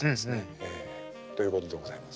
ええということでございます。